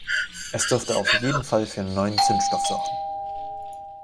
Es dürfte auf jeden Fall für neuen Zündstoff sorgen.